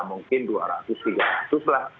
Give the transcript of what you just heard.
mungkin dua ratus tiga ratus lah